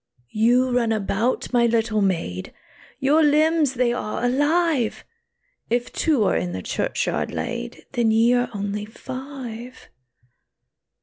"You run about, my little maid, Your limbs they are alive; If two are in the churchyard laid, Then ye are only five."